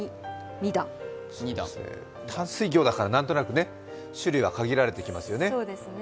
２淡水魚だから何となくね、種類は限られてきますよね。